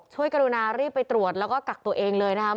กรุณารีบไปตรวจแล้วก็กักตัวเองเลยนะครับ